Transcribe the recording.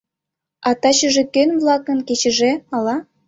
А тачыже кӧн-влакын кечыже, ала?